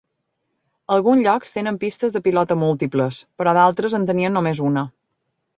Alguns llocs tenien pistes de pilota múltiples, però d'altres en tenien només una.